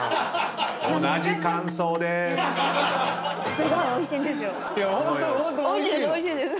すごいおいしいんですよ。